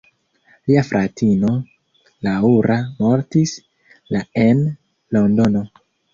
Lia fratino, Laura, mortis la en Londono.